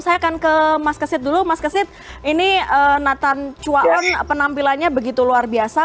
saya akan ke mas kesit dulu mas kesit ini nathan chuaon penampilannya begitu luar biasa